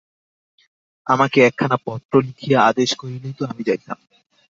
আমাকে একখানা পত্র লিখিয়া আদেশ করিলেই তো আমি যাইতাম।